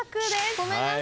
ごめんなさい。